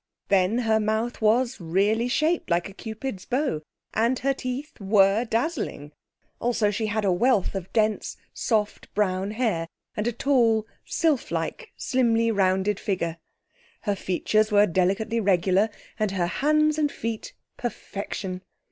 Then, her mouth was really shaped like a Cupid's bow, and her teeth were dazzling; also she had a wealth of dense, soft, brown hair and a tall, sylphlike, slimly rounded figure. Her features were delicately regular, and her hands and feet perfection.